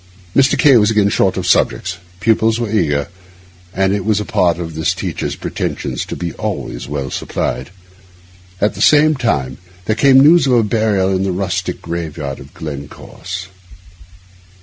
Mr. K— was again short of subjects; pupils were eager, and it was a part of this teacher's pretensions to be always well supplied. At the same time there came the news of a burial in the rustic graveyard of Glencorse.